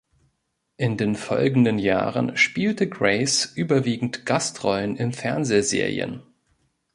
In den folgenden Jahren spielte Grace überwiegend Gastrollen in Fernsehserien.